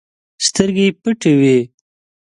سترګې يې پټې وې.